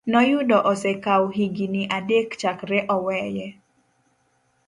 Noyudo osekawo higini adek chakre oweye.